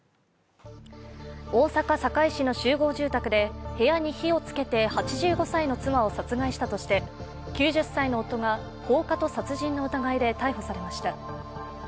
大阪堺市の集合住宅で部屋に火をつけて８５歳の妻を殺害したとして９０歳の夫が放火と殺人の疑いで逮捕されました。